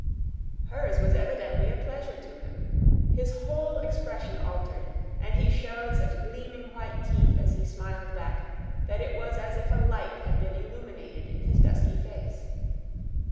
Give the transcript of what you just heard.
Hers was evidently a pleasure to him. His whole expression altered, and he showed such gleaming white teeth as he smiled back that it was as if a light had been illuminated in his dusky face.